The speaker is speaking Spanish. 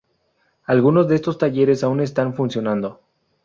Algunos de estos talleres aún están funcionando.